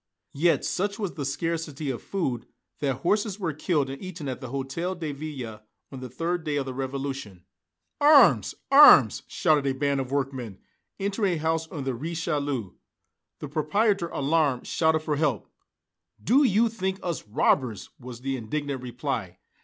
Yet such was the scarcity of food that horses were killed and eaten at the Hôtel de Ville, on the third day of the Revolution. "Arms arms!" shouted a band of workmen, entering a house on the Rue Richelieu. The proprietor, alarmed, shouted for help. "Do you think us robbers?" was the indignant reply.